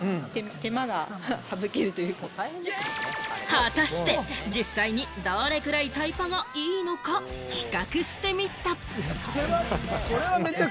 果たして、実際にどれくらいタイパがいいのか比較してみた。